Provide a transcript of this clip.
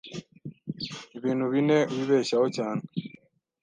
Ibintu bine wibeshyaho cyane